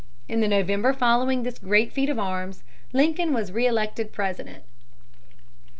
In the November following this great feat of arms, Lincoln was reëlected President.